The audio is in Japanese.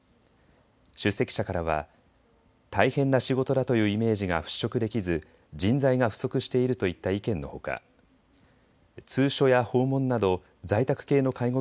出席者からは大変な仕事だというイメージが払拭できず、人材が不足しているといった意見のほか、通所や訪問など在宅系の介護